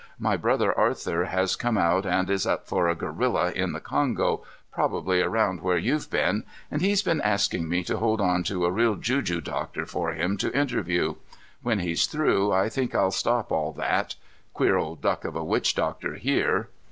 "My brother Arthur has come out and is up after a gorilla in the Kongo probably around where you've been and he's been asking me to hold on to a real juju doctor for him to interview. When he's through, I think I'll stop all that. Queer old duck of a witch doctor here."